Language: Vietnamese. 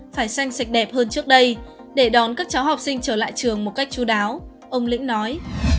phải xanh sạch đẹp hơn trước đây để đón các cháu học sinh trở lại trường một cách chú đáo ông lĩnh nói